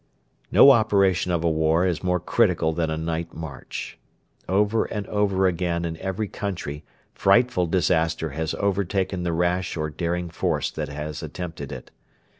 No operation of a war is more critical than a night march. Over and over again in every country frightful disaster has overtaken the rash or daring force that has attempted it.